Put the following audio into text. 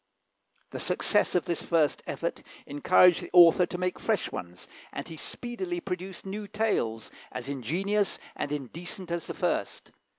The success of this first effort encouraged the author to make fresh ones, and he speedily produced new tales, as ingenious and indecent as the first.